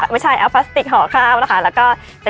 ไม่ใช่เอาพลาสติกห่อข้าวนะคะ